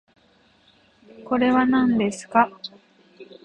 これはなんですか